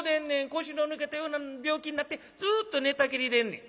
腰の抜けたような病気になってずっと寝たきりでんねん」。